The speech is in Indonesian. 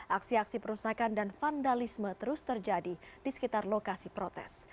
aksi aksi perusakan dan vandalisme terus terjadi di sekitar lokasi protes